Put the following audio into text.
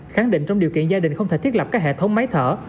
khẳng định trong điều kiện gia đình không thể thiết lập các hệ thống máy thở